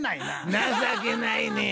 情けないねや。